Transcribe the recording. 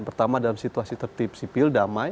pertama dalam situasi tertib sipil damai